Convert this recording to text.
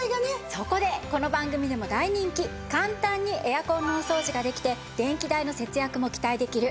そこでこの番組でも大人気簡単にエアコンのお掃除ができて電気代の節約も期待できるエアコンクリーナー。